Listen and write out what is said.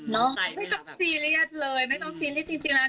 ไม่ต้องซีเรียสเลยไม่ต้องซีเรียสจริงแล้ว